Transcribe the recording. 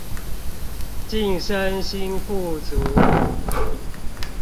晉身新富族